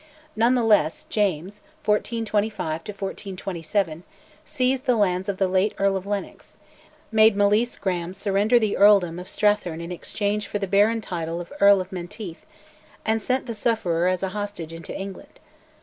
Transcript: None the less, James (1425 1427) seized the lands of the late Earl of Lennox, made Malise Graham surrender the earldom of Strathearn in exchange for the barren title of Earl of Menteith, and sent the sufferer as a hostage into England.